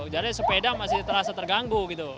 jadi sepeda masih terasa terganggu gitu